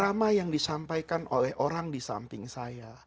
drama yang disampaikan oleh orang di samping saya